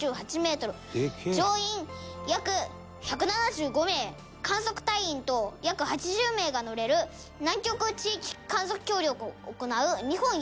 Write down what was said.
乗員約１７５名観測隊員等約８０名が乗れる南極地域観測協力を行う日本唯一の砕氷艦です」